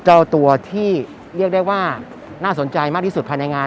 เจ้าตัวที่เรียกได้ว่าน่าสนใจมากที่สุดภายในงาน